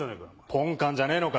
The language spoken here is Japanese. ポンカンじゃねえのか？